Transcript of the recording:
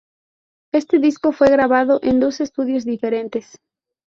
Este disco fue grabado en dos estudios diferentes.